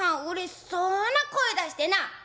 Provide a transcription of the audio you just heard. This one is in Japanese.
うれしそうな声出してな